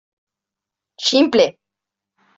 Ximple!